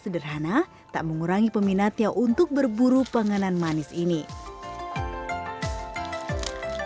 sederhana tak mengurangi peminatnya untuk berburu penganan manis ini selain jenang dodol